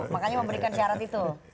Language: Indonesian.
makanya memberikan syarat itu